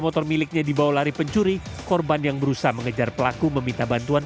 motor miliknya dibawa lari pencuri korban yang berusaha mengejar pelaku meminta bantuan